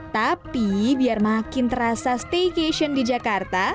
tapi biar makin terasa staycation di jakarta